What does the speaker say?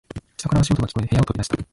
下から足音が聞こえ、部屋を飛び出した。